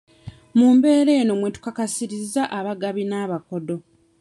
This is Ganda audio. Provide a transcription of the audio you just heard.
Mu mbeera eno mwe tukakasirizza abagabi n'abakodo.